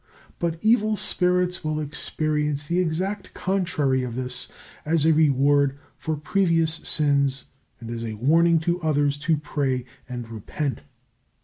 But evil spirits will experience the exact contrary of this, as a reward for previous sins and as a warning to others to pray and repent.